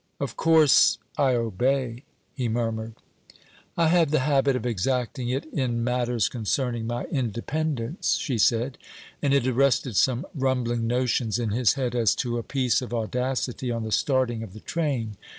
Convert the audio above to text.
'Of course I obey,' he murmured. 'I have the habit of exacting it in matters concerning my independence,' she said; and it arrested some rumbling notions in his head as to a piece of audacity on the starting of the train.